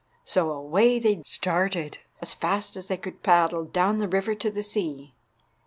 So away they started, as fast as they could paddle, down the river to the sea.